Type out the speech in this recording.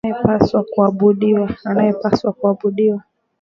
Anayepaswa kuabudiwa.